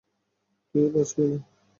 তুইও বাঁচবি না!